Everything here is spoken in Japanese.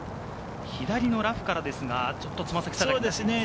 左のラフからですが、ちょっと爪先下がりですね。